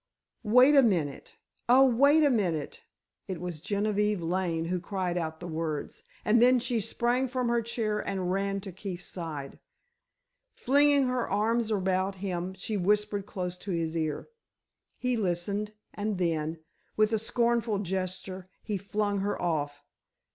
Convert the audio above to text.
"Wait a minute! Oh, wait a minute!" It was Genevieve Lane who cried out the words, and then she sprang from her chair and ran to Keefe's side. Flinging her arms about him, she whispered close to his ear. He listened, and then, with a scornful gesture he flung her off.